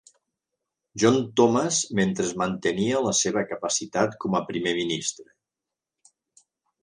John Thomas, mentre mantenia la seva capacitat com a Primer ministre.